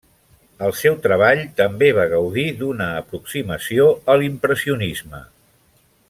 El seu treball també va gaudir d'una aproximació a l'impressionisme.